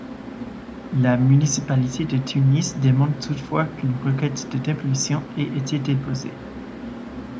La municipalité de Tunis dément toutefois qu'une requête de démolition ait été déposée.